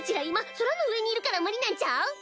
今空の上にいるから無理なんちゃう？